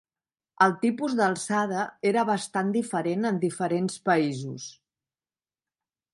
El tipus d'alçada era bastant diferent en diferents països.